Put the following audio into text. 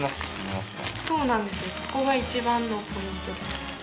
そこがいちばんのポイントです。